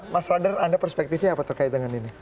mas radar anda perspektifnya apa terkait dengan ini